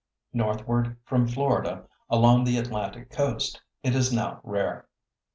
Northward from Florida, along the Atlantic coast, it is now rare.